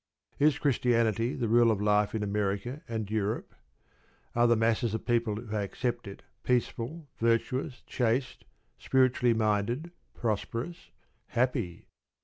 Is Christianity the rule of life in America and Europe? Are the masses of people who accept it peaceful, virtuous, chaste, spiritually minded, prosperous, happy?